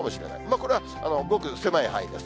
これはごく狭い範囲です。